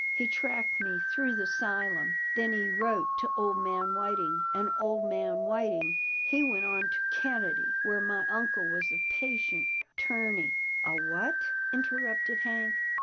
He tracked me through the 'sylum, then he wrote to ole man Whiting, an' ole man Whiting he went 300 'TILDA JANE'S ORPHANS on to Canady, where my uncle was a patient 'turney —" "A what?" interrupted Hank.